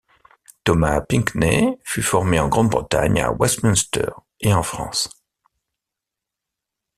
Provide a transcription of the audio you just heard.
Thomas Pinckney fut formé en Grande-Bretagne à Westminster et en France.